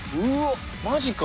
マジか。